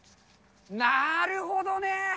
なるほどね。